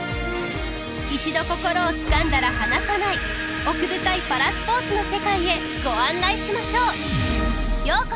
一度心をつかんだら離さない奥深いパラスポーツの世界へご案内しましょう。